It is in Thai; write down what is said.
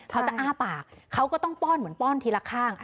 เขาจะอ้าปากเขาก็ต้องป้อนเหมือนป้อนทีละข้าง